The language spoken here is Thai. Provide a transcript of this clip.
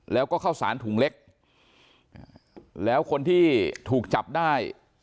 แล้วก็เข้าสารถุงเล็กแล้วคนที่ถูกจับได้